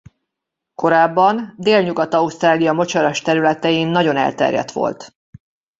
Korábban Délnyugat-Ausztrália mocsaras területein nagyon elterjedt volt.